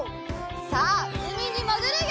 さあうみにもぐるよ！